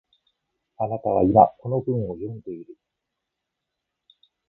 あなたは今、この文を読んでいる